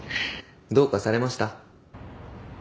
どうかされました？